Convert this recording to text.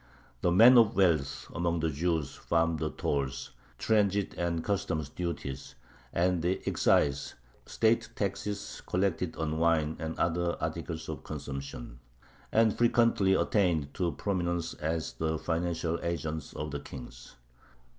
The men of wealth among the Jews farmed the tolls (transit and customs duties) and the excise (state taxes collected on wine and other articles of consumption), and frequently attained to prominence as the financial agents of the kings.